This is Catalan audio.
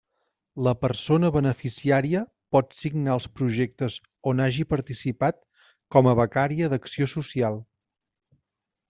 La persona beneficiària pot signar els projectes on hagi participat com a becària d'acció social.